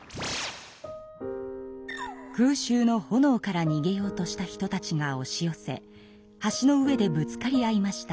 空襲のほのおからにげようとした人たちがおし寄せ橋の上でぶつかり合いました。